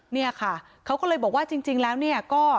เนี่ยค่ะเขาก็เลยบอกว่าจริงแล้วเนี่ยก็